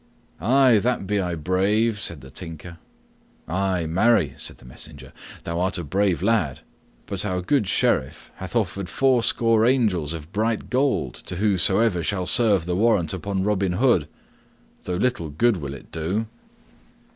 "Ay, that be I brave," said the Tinker. "Ay, marry," said the messenger, "thou art a brave lad; but our good Sheriff hath offered fourscore angels of bright gold to whosoever shall serve the warrant upon Robin Hood; though little good will it do."